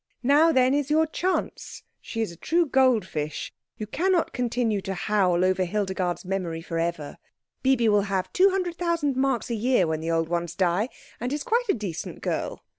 "Now, then, is your chance. She is a true gold fish. You cannot continue to howl over Hildegard's memory for ever. Bibi will have two hundred thousand marks a year when the old ones die, and is quite a decent girl.